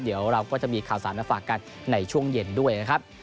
เดี๋ยวเราก็จะมีข่าวสารมาฝากกันในช่วงเย็นด้วยนะครับ